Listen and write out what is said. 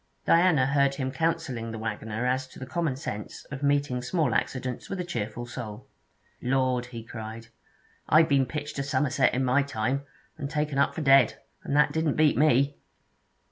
Diana heard him counselling the waggoner as to the common sense of meeting small accidents with a cheerful soul. 'Lord!' he cried, 'I been pitched a Somerset in my time, and taken up for dead, and that didn't beat me!'